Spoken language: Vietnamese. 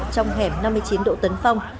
trong hẻm năm mươi chín đỗ tấn phong